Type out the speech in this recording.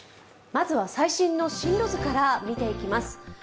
まずは最新の進路図から見ていきます。